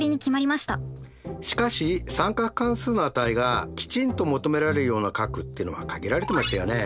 しかし三角関数の値がきちんと求められるような角っていうのは限られてましたよね。